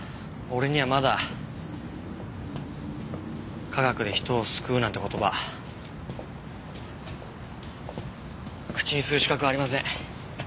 俺にはまだ「科学で人を救う」なんて言葉口にする資格ありません。